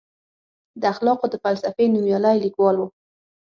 د اخلاقو د فلسفې نوميالی لیکوال و.